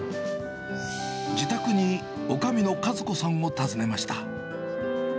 自宅におかみの一子さんを訪ねました。